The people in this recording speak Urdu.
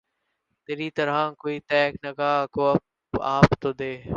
تری طرح کوئی تیغِ نگہ کو آب تو دے